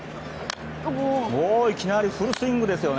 いきなりフルスイングですね。